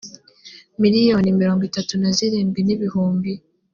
miliyoni mirongo itatu na zirindwi n ibihumbi